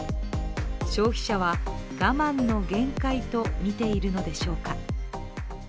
消費者は我慢の限界とみているのでしょうか。